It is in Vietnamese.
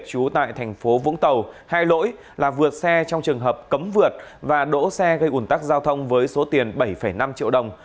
trú tại thành phố vũng tàu hai lỗi là vượt xe trong trường hợp cấm vượt và đỗ xe gây ủn tắc giao thông với số tiền bảy năm triệu đồng